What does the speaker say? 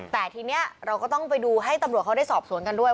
แต่ทีนี้เราก็ต้องไปดูให้ตำรวจเขาได้สอบสวนกันด้วย